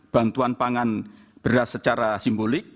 bantuan pangan beras secara simbolik